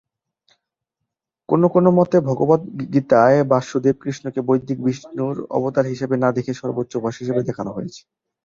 কোনো কোনো মতে, ভগবদ্গীতায় বাসুদেব-কৃষ্ণকে বৈদিক বিষ্ণুর অবতার হিসেবে না দেখিয়ে সর্বোচ্চ উপাস্য হিসেবে দেখানো হয়েছে।